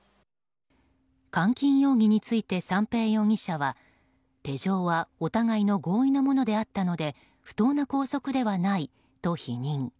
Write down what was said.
監禁容疑について三瓶容疑者は手錠はお互いの合意のものであったので不当な拘束ではないと否認。